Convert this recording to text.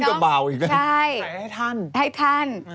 ใช่ให้ทัน